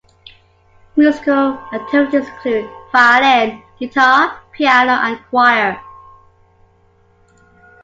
Musical activities include violin, guitar, piano, and choir.